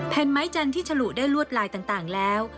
ไม้จันทร์ที่ฉลุได้ลวดลายต่างแล้ว